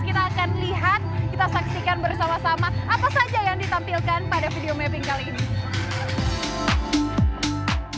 kita akan lihat kita saksikan bersama sama apa saja yang ditampilkan pada video mapping kali ini